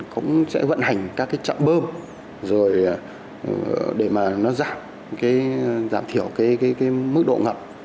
cũng sẽ vận hành các trạm bơm để giảm thiểu mức độ ngập